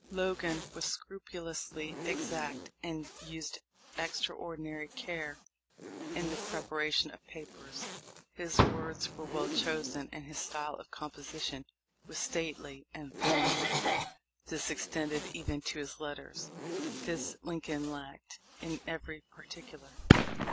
Logan was scrupulously exact, and used extraordinary care in the preparation of papers. His words were well chosen, and his style of composition was stately and THE LIFE OF LINCOLN. 265 formal. This extended even to his letters. This Lincoln lacked in every particular.